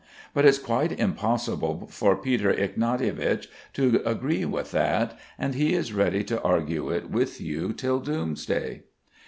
But it's quite impossible for Peter Ignatievich to agree with that; and he is ready to argue it with you till doomsday.